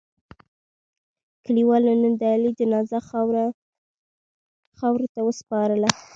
کلیوالو نن د علي جنازه خاورو ته و سپارله.